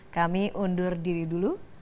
kami undur diri dulu